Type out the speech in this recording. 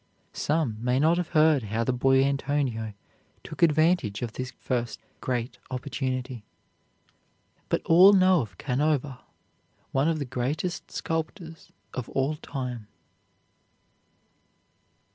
Some may not have heard how the boy Antonio took advantage of this first great opportunity; but all know of Canova, one of the greatest sculptors of all time.